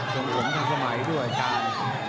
ส่วนห่วงทั้งสมัยด้วย